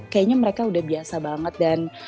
kayaknya mereka udah biasa banget dan